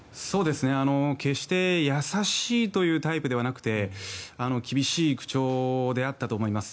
決して優しいというタイプではなくて厳しい口調であったと思います。